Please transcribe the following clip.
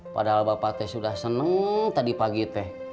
padahal bapak teh sudah senang tadi pagi teh